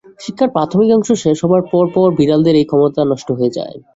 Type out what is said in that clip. শিক্ষার প্রাথমিক অংশ শেষ হবার পরপর বিড়ালদের এই ক্ষমতা নষ্ট হয়ে যাবে।